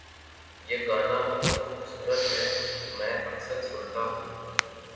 یہ گانا بہت خوبصورت ہے، میں اکثر سنتا ہوں